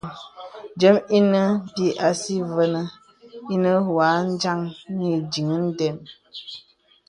Dìōm inə pī àsí vənə inə wà dìaŋ nì ìdiŋ à ndəm.